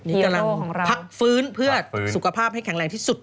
ที่กำลังพักฟื้นเพื่อสุขภาพให้แข็งแรงที่สุด